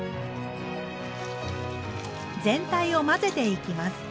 全体を混ぜていきます。